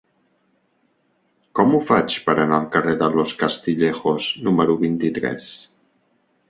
Com ho faig per anar al carrer de Los Castillejos número vint-i-tres?